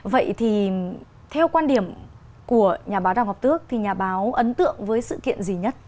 vậy thì theo quan điểm của nhà báo đào ngọc tước thì nhà báo ấn tượng với sự kiện gì nhất